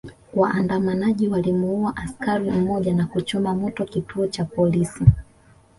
Waandamanaji walimuua askari mmoja na kuchoma moto kituo cha polisi